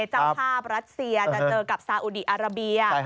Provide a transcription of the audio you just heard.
เจ้าภาพรัสเซียจะเจอกับซาอุดีอาราเบีย